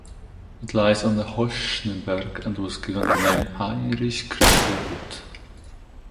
It lies on the Hochschneeberg and was given the name "Heinrich-Krempel-Hütte".